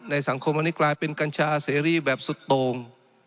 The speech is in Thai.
สังคมวันนี้กลายเป็นกัญชาเสรีแบบสุดโต่ง